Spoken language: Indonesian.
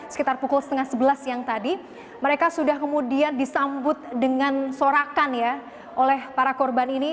sekitar pukul setengah sebelas siang tadi mereka sudah kemudian disambut dengan sorakan ya oleh para korban ini